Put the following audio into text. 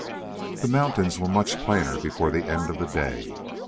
The mountains were much plainer before the end of the day.